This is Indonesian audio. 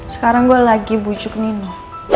sekarang gue lagi bujuk nino